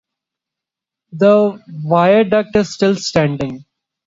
The viaduct is still standing.